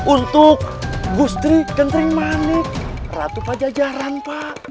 untuk gustri kentring manik ratu pajajaran pak